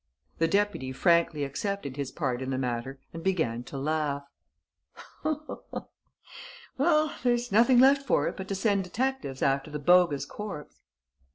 The deputy frankly accepted his part in the matter and began to laugh: "There's nothing left for it but to send detectives after the bogus corpse."